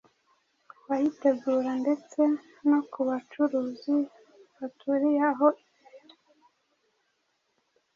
ku bayitegura ndetse no ku bacuruzi baturiye aho ibera.